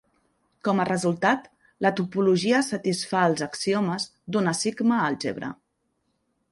Com a resultat, la topologia satisfà els axiomes d'una sigma-àlgebra.